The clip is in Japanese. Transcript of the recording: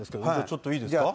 ちょっといいですか？